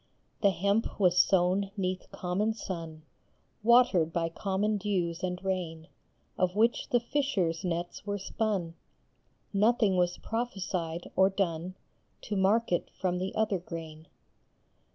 The hemp was sown neath common sun, Watered by common dews and rain, Of which the fishers nets were spun ; Nothing was prophesied or done To mark it from the other grain.